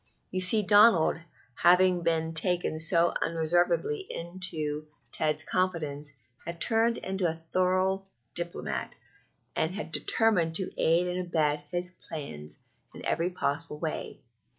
You see, Donald, having been taken so unreservedly into Ted's confidence, had turned into a thorough diplomat, and had determined to aid and abet his plans in every possible way.